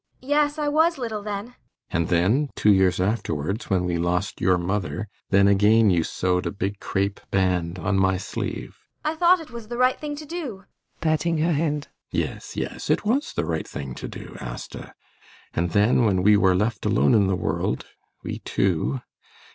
ASTA. Yes, I was little then. ALLMERS. And then, two years afterwards when we lost your mother then again you sewed a big crape band on my sleeve. ASTA. I thought it was the right thing to do. ALLMERS. [Patting her hand.] Yes, yes, it was the right thing to do, Asta. And then when we were left alone in the world, we two